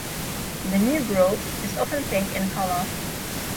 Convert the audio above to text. The new growth is often pink in colour.